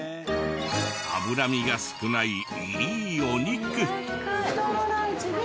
脂身が少ないいいお肉。